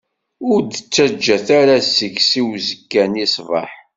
Ur d- ttaǧǧat ara seg-s i uzekka-nni ṣṣbeḥ.